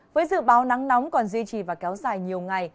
với dự báo nắng nóng còn duy trì và kéo dài nhiều ngày